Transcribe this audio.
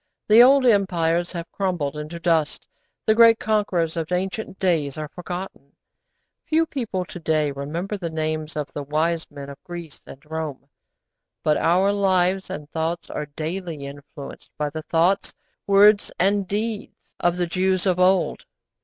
The old empires have crumbled into dust; the great conquerors of ancient days are forgotten; few people to day remember the names of the wise men of Greece and Rome, but our lives and thoughts are daily influenced by the thoughts, words, and deeds of the Jews of old.